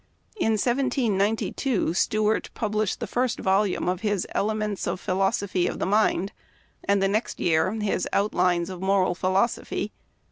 In 1792 Stewart published the first volume of " Elements of Philosophy of the Mind," and the next year his " Outlines of Moral Philosophy."